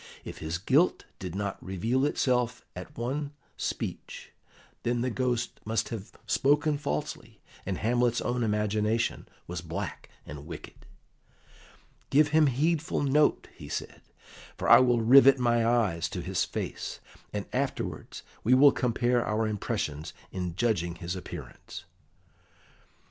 If his guilt did not reveal itself at one speech, then the Ghost must have spoken falsely, and Hamlet's own imagination was black and wicked. "Give him heedful note," he said, "for I will rivet my eyes to his face, and afterwards we will compare our impressions in judging his appearance."